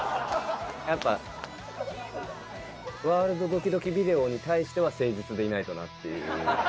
やっぱワールドドキドキビデオに対しては、誠実にいないとなっていう。